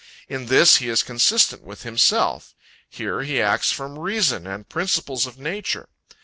In this he is consistent with himself. Here he acts from reason, and principles of nature.